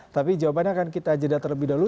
tapi jawabannya akan kita jeda terlebih dahulu